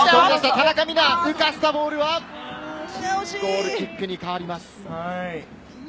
田中美南、浮かしたボールはゴールキックに変わります。